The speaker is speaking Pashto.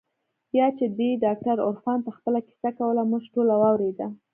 بيا چې دې ډاکتر عرفان ته خپله کيسه کوله موږ ټوله واورېده.